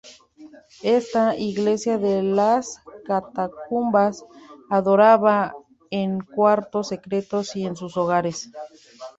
Esta "Iglesia de las Catacumbas" adoraba en cuartos secretos y en sus hogares.